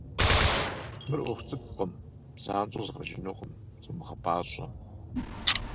Мыр Ӏуэху цӀыкӀукъым, занщӀэу зэфӀэкӀынукъым, сумыгъэпӀащӀэ.